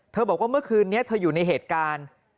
บอกว่าเมื่อคืนนี้เธออยู่ในเหตุการณ์